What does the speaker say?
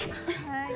はい。